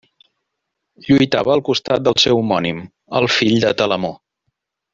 Lluitava al costat del seu homònim, el fill de Telamó.